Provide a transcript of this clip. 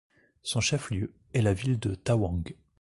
Son chef-lieu est la ville de Tawang.